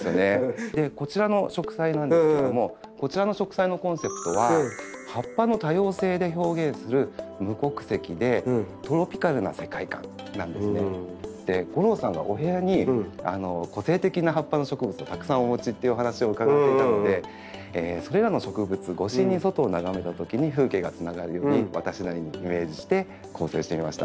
こちらの植栽なんですけどもこちらの植栽のコンセプトは吾郎さんがお部屋に個性的な葉っぱの植物をたくさんお持ちっていうお話を伺っていたのでそれらの植物越しに外を眺めたときに風景がつながるように私なりにイメージして構成してみました。